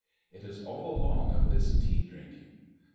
It is all along of this tea drinking.